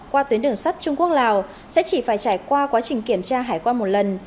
qua tuyến đường sắt trung quốc lào sẽ chỉ phải trải qua quá trình kiểm tra hải quan một lần